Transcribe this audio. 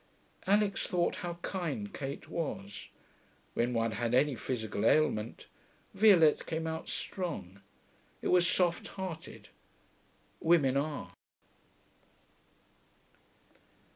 Alix thought how kind Kate was. When one had any physical ailment, Violette came out strong. It was soft hearted. Women are.